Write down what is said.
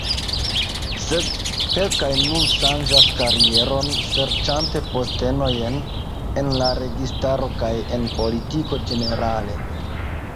Sed kelkaj nun ŝanĝas karieron serĉante postenojn en la registaro kaj en politiko ĝenerale.